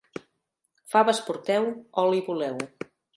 Faves porteu, oli voleu.